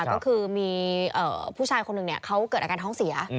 ก็คือมีผู้ชายคนหนึ่งเขาเกิดอาการท้องเสีย